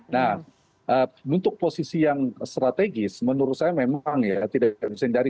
nah untuk posisi yang strategis menurut saya memang ya tidak bisa hindari